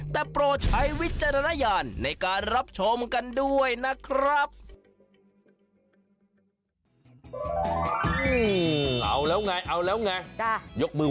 แต่โปรดใช้วิจารณญาณในการรับชมกันด้วยนะครับ